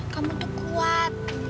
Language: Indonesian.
kamu tuh kuat